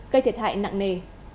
gây thiệt hại nặng nề